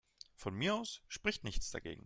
Von mir aus spricht nichts dagegen.